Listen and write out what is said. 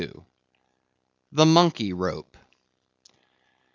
The Monkey Rope.